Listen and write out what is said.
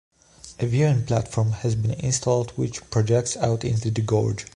A viewing platform has been installed which projects out into the Gorge.